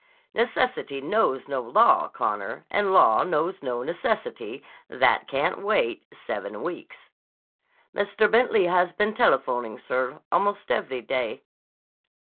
Necessity knows no law, Connor, and law knows no necessity that can't wait seven weeks." "Mr. Bentley has been telephoning, sir, almost every day."